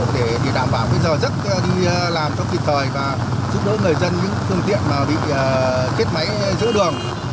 để đảm bảo bây giờ rất đi làm cho kịp thời và giúp đỡ người dân những phương tiện mà bị kết máy giữ đường